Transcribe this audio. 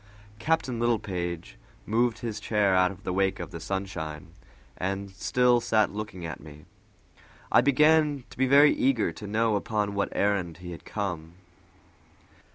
Captain Littlepage moved his chair out of the wake of the sunshine, and still sat looking at me. I began to be very eager to know upon what errand he had come.